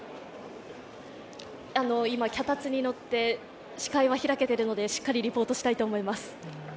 今、脚立に乗って、視界は開けているのでしっかりリポートしたいと思います。